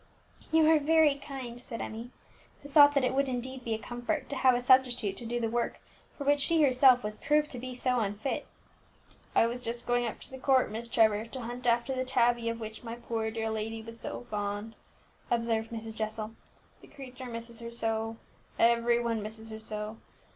"You are very kind," said Emmie, who thought that it would indeed be a comfort to have a substitute to do the work for which she herself was proved to be so unfit. "I was just going up to the Court, Miss Trevor, to hunt after the tabby of which my poor dear lady was so fond," observed Mrs. Jessel; "the creature misses her so every one misses her so!